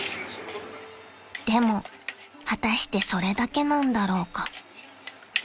［でも果たしてそれだけなんだろうか？］